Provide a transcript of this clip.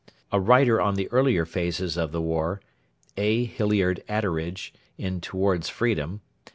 A writer on the earlier phases of the war [A. Hilliard Atteridge, TOWARDS FREEDOM.